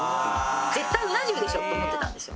絶対うな重でしょって思ってたんですよ。